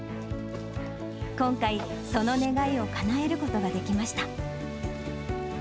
今回、その願いをかなえることができました。